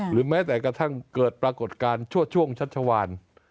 แม้แต่กระทั่งเกิดปรากฏการณ์ชั่วช่วงชัชวาน